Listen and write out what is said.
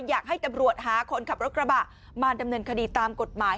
อยากให้ตำรวจหาคนขับรถกระบะมาดำเนินคดีตามกฎหมาย